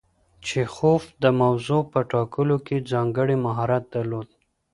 چیخوف د موضوع په ټاکلو کې ځانګړی مهارت درلود.